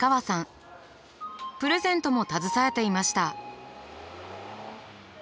プレゼントも携えていました。